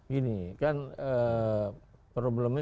gini kan problemnya